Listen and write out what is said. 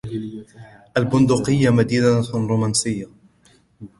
البندقية مدينة رومنسية.